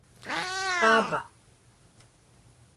爸爸